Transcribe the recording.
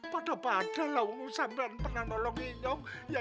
padahal pak haji sudah pernah menolong saya